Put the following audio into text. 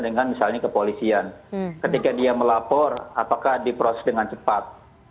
dengan misalnya kepolisian ketika dia melapor apakah diproses dengan cepat